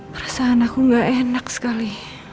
perasaan aku gak enak sekali